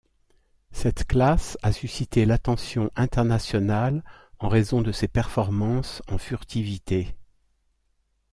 Cette classe a suscité l'attention internationale en raison de ses performances en furtivité.